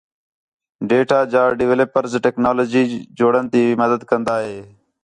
ڈیٹا جا ڈویلپرزیک ٹیکنالوجی جوڑن تی مدد کندا ہِے